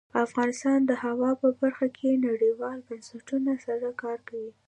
افغانستان د هوا په برخه کې نړیوالو بنسټونو سره کار کوي.